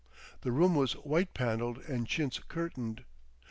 The room was white panelled and chintz curtained.